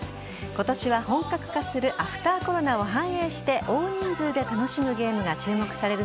今年は本格化するアフターコロナを反映して大人数で楽しめるゲームが注目される